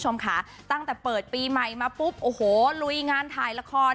ชมข้าตั้งแต่ปริปีใหม่มาปุ๊บโอโฮรุยงานถ่ายละคร